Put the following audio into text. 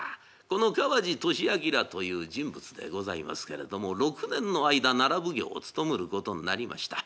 この川路聖謨という人物でございますけれども６年の間奈良奉行を務むることになりました。